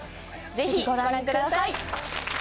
ぜひご覧ください！